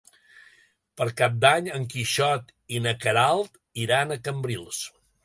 Per Cap d'Any en Quixot i na Queralt iran a Cambrils.